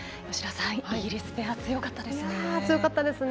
イギリスペア、強かったですね。